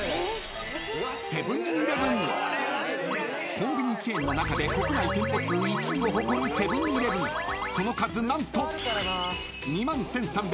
［コンビニチェーンの中で国内店舗数１位を誇るセブン−イレブンその数何と］